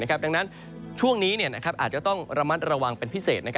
ดังนั้นช่วงนี้อาจจะต้องระมัดระวังเป็นพิเศษ